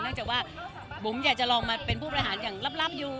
จากว่าบุ๋มอยากจะลองมาเป็นผู้บริหารอย่างลับอยู่